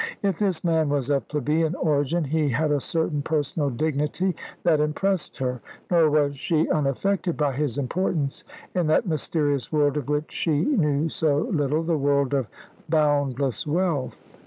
If this man was of plebeian origin, he had a certain personal dignity that impressed her; nor was she unaffected by his importance in that mysterious world of which she knew so little, the world of boundless wealth.